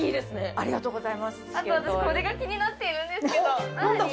あと私これが気になっているんですよ何？